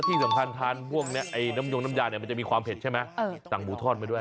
ใช่ที่สำคัญทานพวกนี้น้ำยองน้ำยาจะมีความเผ็ดอ่ะแต่งหมูทอดไว้ด้วย